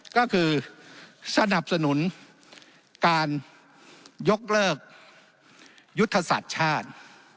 ก็คือสนับสนุนการยกเลิกยุทธศาสตร์ชาติ